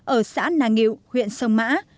ở xã nàng nghiệu huyện sông mã